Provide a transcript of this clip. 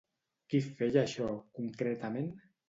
Qui feia això, concretament?